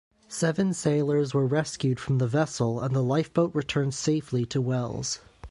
Seven sailors were rescued from the vessel and the lifeboat returned safely to Wells.